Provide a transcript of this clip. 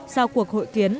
sau cuộc hội tuyến